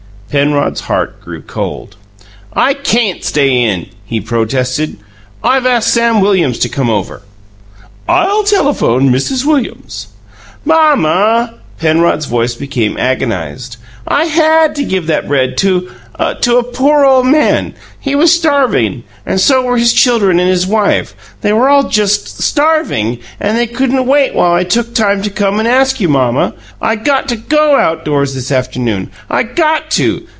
Penrod's heart grew cold. "I CAN'T stay in," he protested. "I've asked Sam Williams to come over." "I'll telephone Mrs. Williams." "Mamma!" Penrod's voice became agonized. "I HAD to give that bread to a to a poor ole man. He was starving and so were his children and his wife. They were all just STARVING and they couldn't wait while I took time to come and ask you, Mamma. I got to GO outdoors this afternoon. I GOT to!